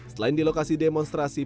selain di lokasi demonstrasi